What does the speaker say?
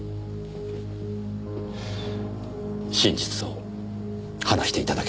真実を話していただけませんか？